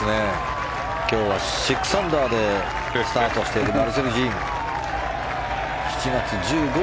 今日は６アンダーでスタートしているマルセル・ジーム。